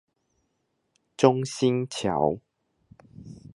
中興橋